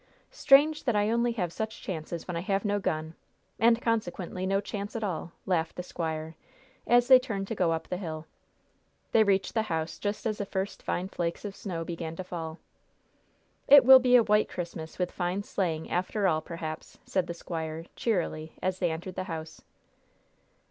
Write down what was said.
Strange that I only have such chances when I have no gun and consequently no chance at all!" laughed the squire, as they turned to go up the hill. They reached the house just as the first fine flakes of snow began to fall. "It will be a white Christmas, with fine sleighing, after all, perhaps," said the squire, cheerily, as they entered the house.